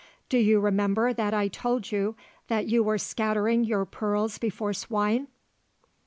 Do you remember that I told you that you were scattering your pearls before swine?